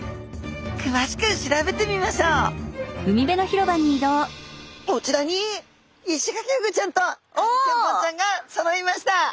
くわしく調べてみましょうこちらにイシガキフグちゃんとハリセンボンちゃんがそろいました。